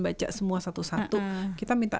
baca semua satu satu kita minta